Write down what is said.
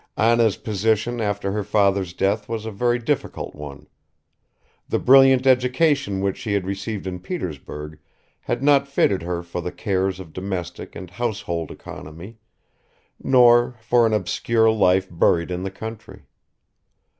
Anna's position after her father's death was a very difficult one. The brilliant education which she had received in Petersburg had not fitted her for the cares of domestic and household economy nor for an obscure life buried in the country.